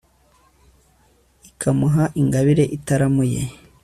ikamuha ingabire itaramuye